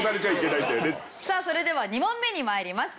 さあそれでは２問目に参ります。